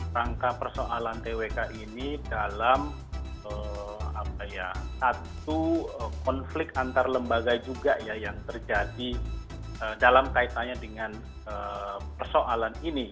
rangka persoalan twk ini dalam satu konflik antar lembaga juga ya yang terjadi dalam kaitannya dengan persoalan ini